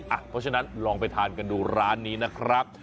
เพราะฉะนั้นลองไปทานกันดูร้านนี้นะครับ